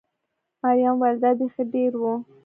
مريم وویل: دا بېخي ډېر و.